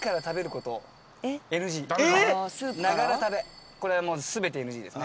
これは全てＮＧです。